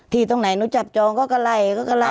ที่ตรงไหนหนูจับจองก็ก็ไล่ก็ก็ไล่